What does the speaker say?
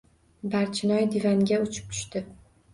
Barchinoy divanga uchib tushdi.